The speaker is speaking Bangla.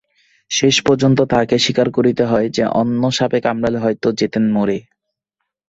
শেষপর্যন্ত তাহাকে স্বীকার করিতে হয় যে অন্য সাপে কামড়ালে হয়তো যেতেন মরে।